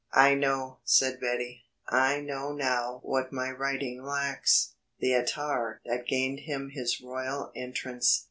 "I know," said Betty. "I know now what my writing lacks the attar that gained him his royal entrance."